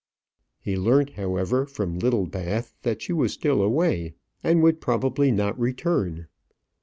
He learnt, however, from Littlebath that she was still away, and would probably not return.